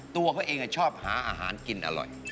ตัวเขาเองชอบหาอาหารกินอร่อย